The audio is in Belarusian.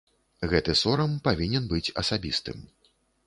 Гэты сорам павінен быць асабістым.